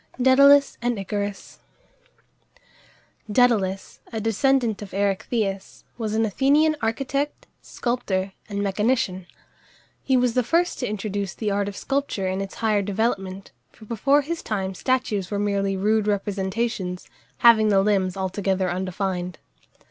DÆDALUS and ICARUS. Dædalus, a descendant of Erechtheus, was an Athenian architect, sculptor, and mechanician. He was the first to introduce the art of sculpture in its higher development, for before his time statues were merely rude representations, having the limbs altogether undefined.